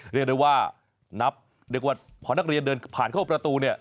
เรียกได้ว่าเมื่อนักเรียนเดินผ่านเข้าประตู